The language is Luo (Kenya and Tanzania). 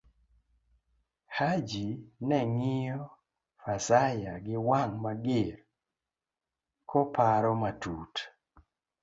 Haji neng'iyo Fazaya giwang ' mager, koparo matut.